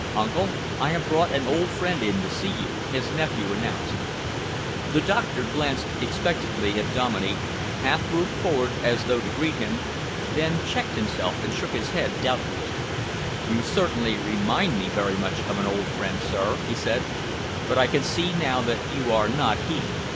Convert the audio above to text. "Uncle, I have brought an old friend in to see you," his nephew announced. The doctor glanced expectantly at Dominey, half moved forward as though to greet him, then checked himself and shook his head doubtfully. "You certainly remind me very much of an old friend, sir," he said, "but I can see now that you are not he.